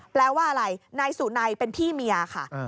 แปลว่าอะไรนายสุนัยเป็นพี่เมียค่ะ